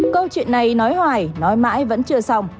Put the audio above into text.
câu chuyện này nói hoài nói mãi vẫn chưa xong